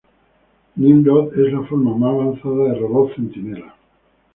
Nimrod es la forma más avanzada de robot Centinela.